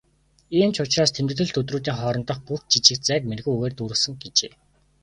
"Ийм ч учраас тэмдэглэлт өдрүүдийн хоорондох бүх жижиг зайг мэргэн үгээр дүүргэсэн" гэжээ.